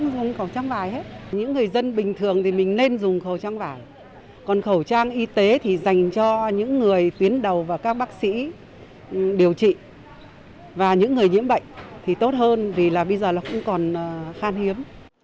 do những người tuyến đầu và các bác sĩ điều trị và những người nhiễm bệnh thì tốt hơn vì là bây giờ nó cũng còn khan hiếm